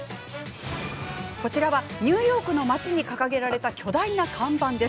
こちらは、ニューヨークの街に掲げられた巨大な看板。